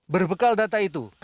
berbekal data itu